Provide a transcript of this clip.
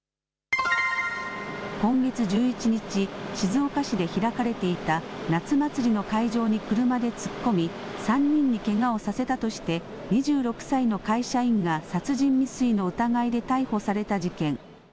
今月１１日、静岡市で開かれていた夏祭りの会場に車で突っ込み、３人にけがをさせたとして２６歳の会社員が殺人未遂の疑いで逮捕された事件。